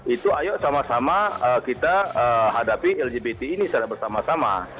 itu ayo sama sama kita hadapi lgbt ini secara bersama sama